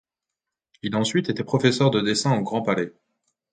Il a ensuite été professeur de dessin au Grand Palais.